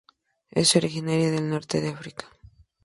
Es originaria del Norte de África.